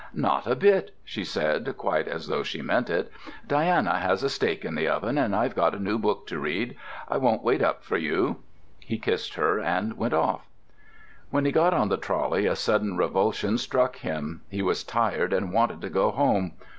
"Not a bit," she said, quite as though she meant it. "Diana has a steak in the oven, and I've got a new book to read. I won't wait up for you." He kissed her and went off. When he got on the trolley a sudden revulsion struck him. He was tired and wanted to go home.